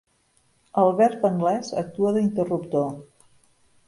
El verb anglès actua d'interruptor.